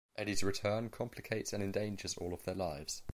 Eddie's return complicates and endangers all of their lives.